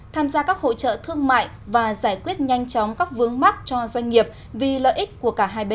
tham gia các hỗ trợ thương mại và giải quyết nhanh chóng các vướng mắc cho doanh nghiệp vì lợi ích của cả hai bên